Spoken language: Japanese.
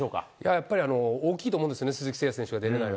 やっぱり大きいと思うんですね、鈴木誠也選手が出れないの。